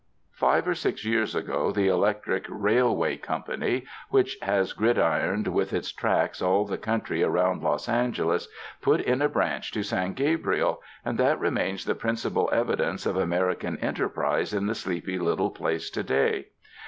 Five or six years ago the electric railway com pany which has gridironed with its tracks all the country around Los Angeles, put in a branch to San Gabriel, and that remains the principal evidence of American enterprise in the sleepy little place to day.